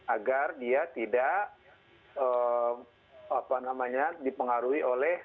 agar dia tidak dipengaruhi oleh